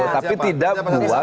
tapi tidak buat